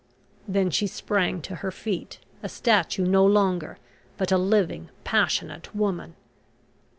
Then she sprang to her feet, a statue no longer, but a living, passionate woman.